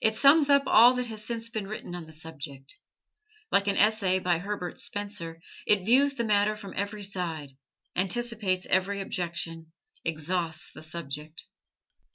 It sums up all that has since been written on the subject. Like an essay by Herbert Spencer, it views the matter from every side, anticipates every objection exhausts the subject.